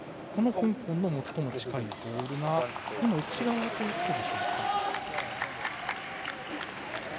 香港の最も近いボールが内側ということでしょうか。